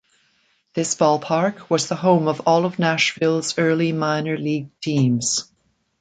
This ballpark was the home of all of Nashville's early minor league teams.